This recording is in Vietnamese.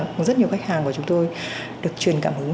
có rất nhiều khách hàng của chúng tôi được chuyền cảm hứng